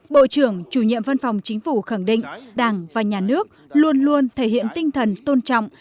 bộ trưởng chủ nhiệm văn phòng chính phủ khẳng định đảng và nhà nước luôn luôn thể hiện tinh thần tôn trọng